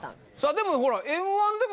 でもほら。